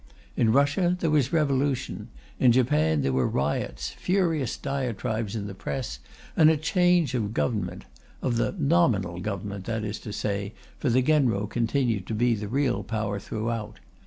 In Russia there was revolution; in Japan there were riots, furious diatribes in the Press, and a change of Government of the nominal Government, that is to say, for the Genro continued to be the real power throughout.